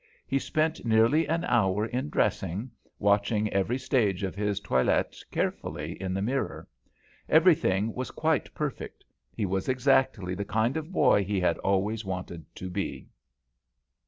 He spent nearly an hour in dressing, watching every stage of his toilet carefully in the mirror. Everything was quite perfect; he was exactly the kind of boy he had always wanted to be.